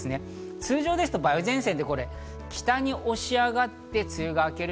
通常ですと梅雨前線って下に押し上がって、梅雨が明ける。